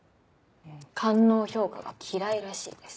官能評価が嫌いらしいです。